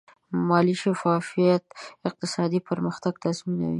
مالي شفافیت اقتصادي پرمختګ تضمینوي.